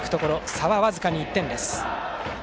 差は僅かに１点です。